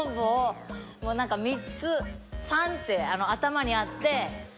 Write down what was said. ３って頭にあって。